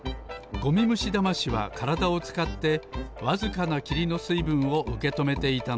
ゴミムシダマシはからだをつかってわずかなきりのすいぶんをうけとめていたのです。